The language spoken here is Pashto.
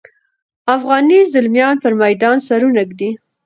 افغاني زلمیان پر میدان سرونه ږدي.